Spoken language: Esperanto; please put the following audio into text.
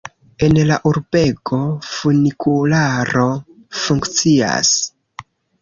En la urbego funikularo funkcias.